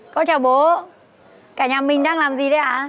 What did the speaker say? con chào bố cả nhà mình đang làm gì đấy ạ